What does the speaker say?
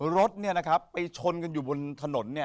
รถเนี่ยนะครับไปชนกันอยู่บนถนนเนี่ย